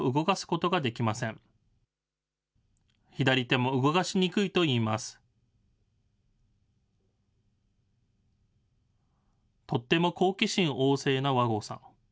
とっても好奇心旺盛な和合さん。